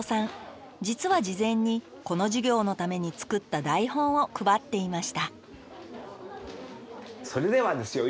実は事前にこの授業のために作った台本を配っていましたそれではですよ